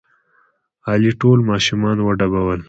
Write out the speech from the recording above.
علي ټول ماشومان وډبول.